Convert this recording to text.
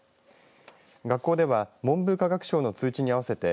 学校では文部科学省の通知に合わせて